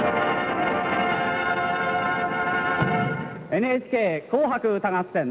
「ＮＨＫ紅白歌合戦」